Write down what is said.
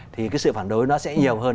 thì cái sự phản đối nó sẽ nhiều hơn